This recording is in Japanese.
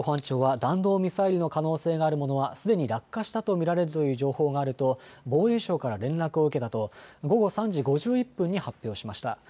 海上保安庁は弾道ミサイルの可能性があるものはすでに落下したと見られるという情報があると防衛省から連絡を受けたと午後３時５１分に発表しました。